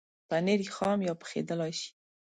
پنېر خام یا پخېدلای شي.